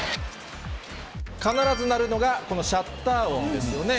必ず鳴るのが、このシャッター音ですよね。